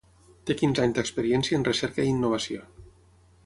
Té quinze anys d'experiència en recerca i innovació.